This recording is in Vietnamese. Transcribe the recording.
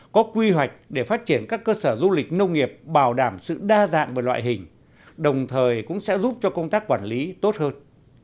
có quy hoạch để phát triển các cơ sở du lịch nông nghiệp bảo đảm sự đa dạng về loại hình đồng thời cũng sẽ giúp cho công tác quản lý tốt hơn